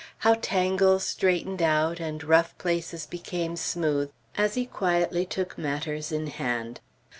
How tangles straightened out, and rough places became smooth, as he quietly took matters in hand.